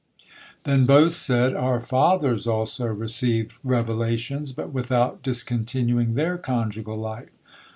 Then both said: "Our fathers also received revelations, but without discontinuing their conjugal life.